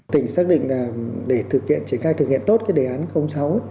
tỉnh xác định là để thực hiện triển khai thực hiện tốt cái đề án sáu